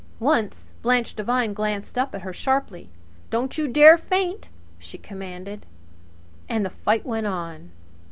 Once Blanche Devine glanced up at her sharply. "Don't you dare faint!" she commanded. And the fight went on.